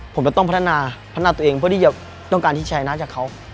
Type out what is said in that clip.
ผมจะต้องพัฒนาพัฒนาตัวเองเพื่อที่จะต้องการที่ชายชนะจากเขา